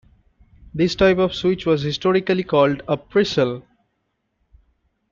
This type of switch was historically called a "pressel".